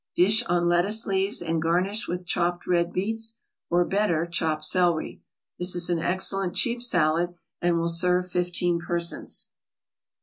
Dish on lettuce leaves, and garnish with chopped red beets, or, better, chopped celery. This is an excellent cheap salad, and will serve fifteen persons.